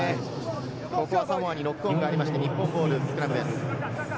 サモアにノックオンがありまして、日本ボールのスクラムです。